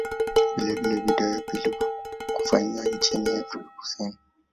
Vilevile ni video ya pili kufanyiwa nchini Afrika Kusini.